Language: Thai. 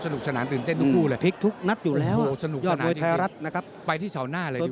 สนุกสนานตู้นเต้นทุกเลย